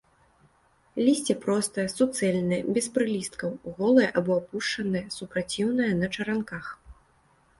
Лісце простае, суцэльнае, без прылісткаў, голае або апушанае, супраціўнае, на чаранках.